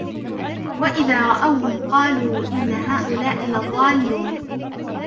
وَإِذَا رَأَوْهُمْ قَالُوا إِنَّ هَؤُلَاءِ لَضَالُّونَ